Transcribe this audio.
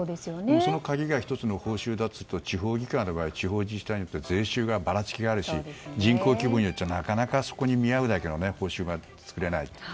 その鍵の１つが報酬だというと地方議会の場合地方自治体によって税収がばらつきがあるし人口規模によってはなかなか見合うだけの報酬が作れないと。